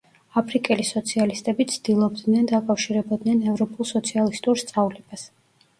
აფრიკელი სოციალისტები ცდილობდნენ დაკავშირებოდნენ ევროპულ სოციალისტურ სწავლებას.